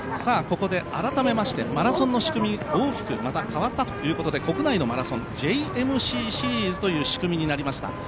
ここで改めましてマラソンの仕組み、また大きく変わったということで国内のマラソンＪＭＣシリーズという仕組みになりました。